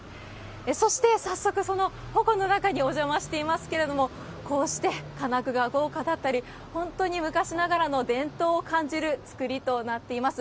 そして早速、その鉾の中にお邪魔していますけれども、こうして金具が豪華だったり、本当に昔ながらの伝統を感じる造りとなっています。